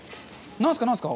何っすか？